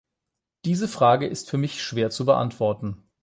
Diese Frage ist für mich schwer zu beantworten.